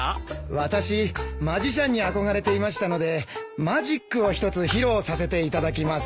私マジシャンに憧れていましたのでマジックを一つ披露させていただきます。